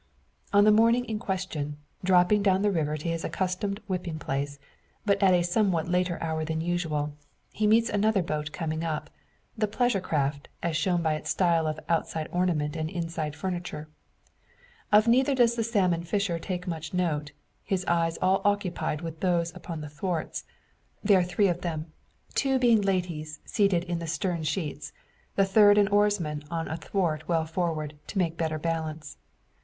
On the morning in question, dropping down the river to his accustomed whipping place, but at a somewhat later hour than usual, he meets another boat coming up a pleasure craft, as shown by its style of outside ornament and inside furniture. Of neither does the salmon fisher take much note; his eyes all occupied with those upon the thwarts. There are three of them, two being ladies seated in the stern sheets, the third an oarsman on a thwart well forward, to make better balance.